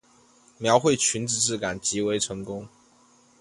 描绘裙子质感极为成功